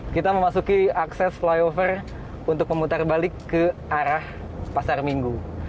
kita memasuki akses flyover untuk memutar balik ke arah pasar minggu